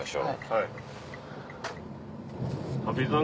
はい。